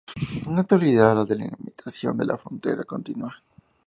En la actualidad la delimitación de la frontera continúa.